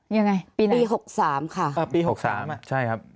ไม่ใช่ค่ะ